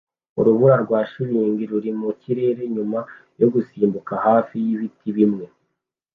Urubura rwa shelegi ruri mu kirere nyuma yo gusimbuka hafi y'ibiti bimwe